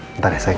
bentar ya sayang